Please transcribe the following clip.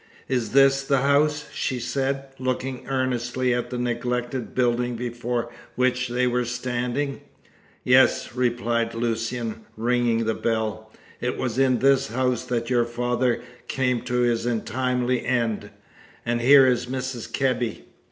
Is this the house?" she said, looking earnestly at the neglected building before which they were standing. "Yes," replied Lucian, ringing the bell, "it was in this house that your father came to his untimely end. And here is Mrs. Kebby."